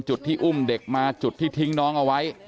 จุดที่อุ้มเด็กมาจุดที่ทิ้งน้องเอาไว้